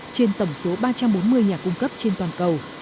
trên tổng số ba trăm bốn mươi nhà cung cấp trên toàn cầu